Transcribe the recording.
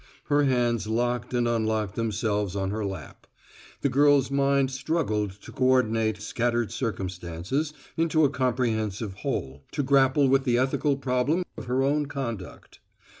Her hands locked and unlocked themselves on her lap. The girl's mind was struggling to coordinate scattered circumstances into a comprehensible whole, to grapple with the ethical problem of her own conduct.